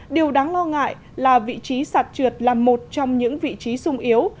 điều đáng lo ngại là vị trí sạt trượt là một trong những vị trí sung yếu